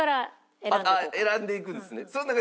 選んでいくんですね。